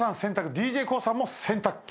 ＤＪＫＯＯさんも洗濯機。